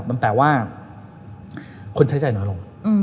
มันแปลว่าคนใช้ใจน้อยลง